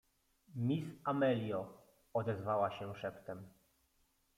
— Miss Amelio — odezwała się szeptem.